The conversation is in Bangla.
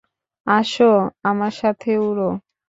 আসো, আমার সাথে উড়ো।